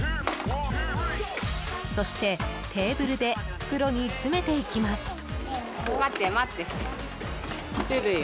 そして、テーブルで袋に詰めていきます。